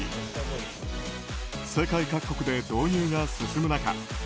世界各国で導入が進む中